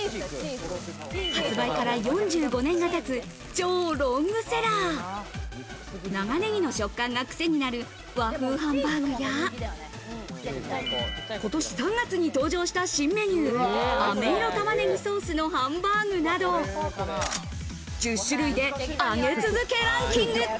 発売から４５年がたつ超ロングセラー、長ネギの食感がクセになる和風ハンバーグや、今年３月に登場した新メニュー、あめいろたまねぎソースのハンバーグなど、１０種類で上げ続けランキング。